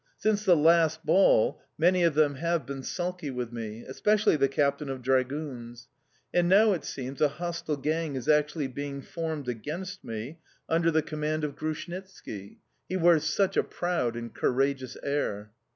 Since the last ball many of them have been sulky with me, especially the captain of dragoons; and now, it seems, a hostile gang is actually being formed against me, under the command of Grushnitski. He wears such a proud and courageous air...